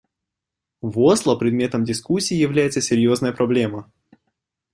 В Осло предметом дискуссии является серьезная проблема.